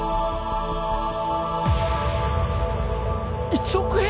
１億円！？